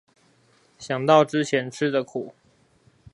想到之前吃的苦